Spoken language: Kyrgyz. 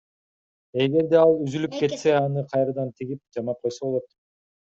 Эгерде ал үзүлүп кетсе аны кайрадан тигип, жамап койсо болот.